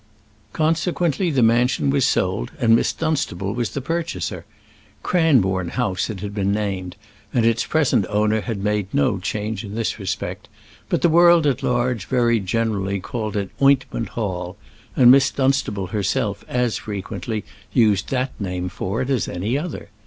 Consequently the mansion was sold, and Miss Dunstable was the purchaser. Cranbourn House it had been named, and its present owner had made no change in this respect; but the world at large very generally called it Ointment Hall, and Miss Dunstable herself as frequently used that name for it as any other.